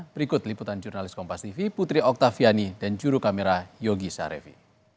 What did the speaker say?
berikut liputan jurnalis kompas tv putri oktaviani dan juru kamera yogi sarevi